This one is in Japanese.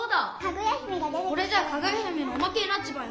これじゃあ「かぐや姫」のおまけになっちまうよ。